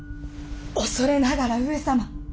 恐れながら上様。